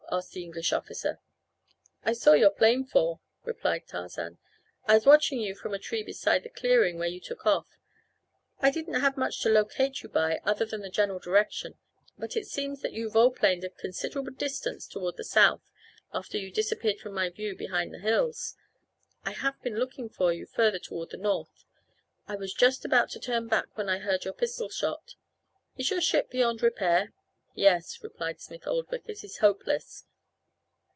asked the English officer. "I saw your plane fall," replied Tarzan. "I was watching you from a tree beside the clearing where you took off. I didn't have much to locate you by other than the general direction, but it seems that you volplaned a considerable distance toward the south after you disappeared from my view behind the hills. I have been looking for you further toward the north. I was just about to turn back when I heard your pistol shot. Is your ship beyond repair?" "Yes," replied Smith Oldwick, "it is hopeless."